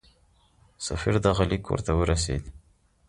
سفیر دغه لیک ورته ورسېد.